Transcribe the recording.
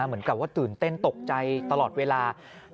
เหมือนกับว่าตื่นเต้นตกใจตลอดเวลา